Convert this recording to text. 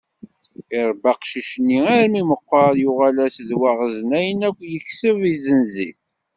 Iṛebba aqcic-nni armi meqqer, yuγal-as d waγzen ayen akk yekseb, yesenz-it.